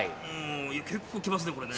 結構きますねこれね。